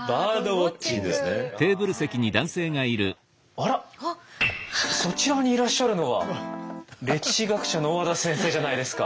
あらそちらにいらっしゃるのは歴史学者の小和田先生じゃないですか。